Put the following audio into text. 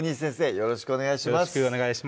よろしくお願いします